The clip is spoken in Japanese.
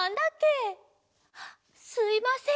すいません